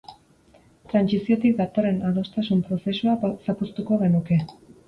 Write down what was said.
Trantsiziotik datorren adostasun prozesua zapuztuko genuke.